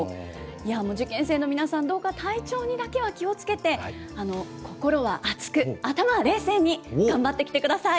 もう受験生の皆さん、どうか体調にだけは気をつけて、心は熱く、頭は冷静に、頑張ってきてください。